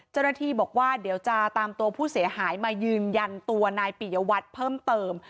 เจ้าหน้าที่บอกว่าเดี๋ยวจะตามตัวผู้เสียหายมายืนยันตัวนายปิยวัตรเพิ่มเติม